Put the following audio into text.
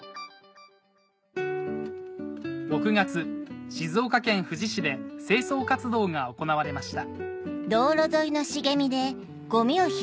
６月静岡県富士市で清掃活動が行われました